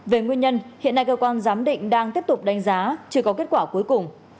về nguyên nhân hiện nay cơ quan giám định đang tiếp tục đánh giá chưa có kết quả cuối cùng